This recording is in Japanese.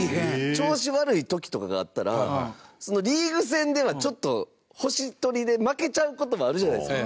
調子悪い時とかがあったらそのリーグ戦では、ちょっと星取りで負けちゃう事もあるじゃないですか。